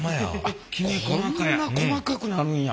あっこんな細かくなるんや。